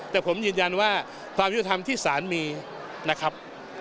แต่ผมยืนยันว่าความยุติธรรมที่สารมีนะครับ